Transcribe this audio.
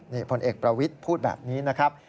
นี่ผลเอกประวิทย์พูดแบบนี้นะครับ